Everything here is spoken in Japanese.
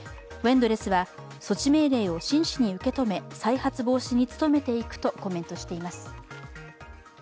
Ｗ−ＥＮＤＬＥＳＳは、措置命令を真摯に受け止め、再発防止に努めていくとコメントしています。